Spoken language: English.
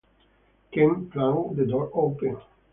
Kemp flung the door open.